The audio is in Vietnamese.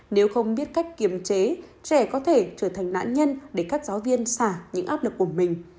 nếu không biết cách kiềm chế trẻ có thể trở thành nạn nhân để các giáo viên xả những áp lực của mình